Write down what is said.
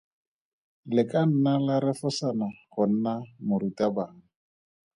Le ka nna la refosana go nna morutabana.